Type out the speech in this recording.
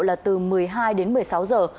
là từ một mươi hai đến một mươi sáu giờ